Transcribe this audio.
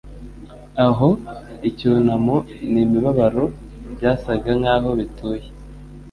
aho icyunamo n'imibabaro byasaga nkaho bituye